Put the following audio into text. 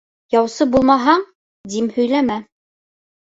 Яусы булмаһаң, дим һөйләмә.